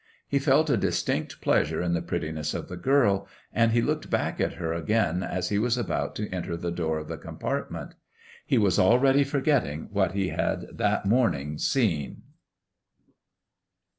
He felt a distinct pleasure in the prettiness of the girl, and he looked back at her again as he was about to enter the door of the compartment. He was already forgetting what he had that morning seen.